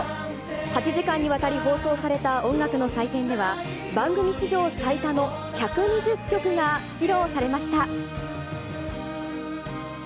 ８時間にわたり放送された音楽の祭典では、番組史上最多の１２０曲が披露されました。